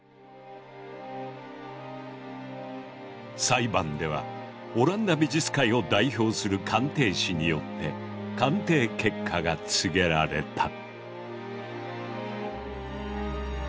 裁判ではオランダ美術界を代表する鑑定士によって鑑定結果が告げられた。